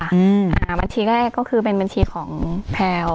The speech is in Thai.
อ่าบัญชีแรกก็คือเป็นบัญชีของแพลว